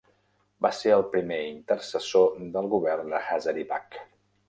Va ser el primer intercessor del govern de Hazaribagh.